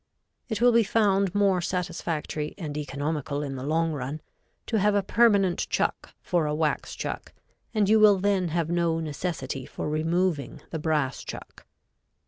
It will be found more satisfactory and economical in the long run to have a permanent chuck for a wax chuck and you will then have no necessity for removing the brass chuck.